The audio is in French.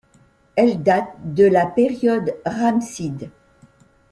Elle date de la période ramesside.